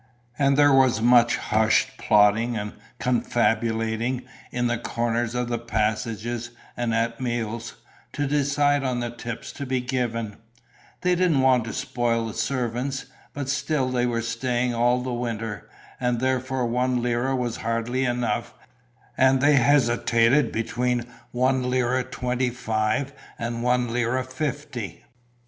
And there was much hushed plotting and confabulating in the corners of the passages and at meals, to decide on the tips to be given: they didn't want to spoil the servants, but still they were staying all the winter; and therefore one lira was hardly enough and they hesitated between one lira twenty five and one lira fifty.